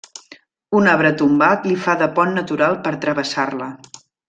Un arbre tombat li fa de pont natural per a travessar-la.